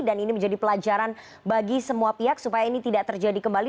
dan ini menjadi pelajaran bagi semua pihak supaya ini tidak terjadi kembali